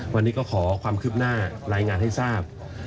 วันนี้ก็ขอความคืบหน้ารายงานให้ทราบ